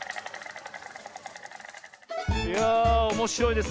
いやあおもしろいですねえ。